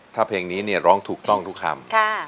ถ้าเพลงนี้เนี่ยร้องถูกต้องทุกคำ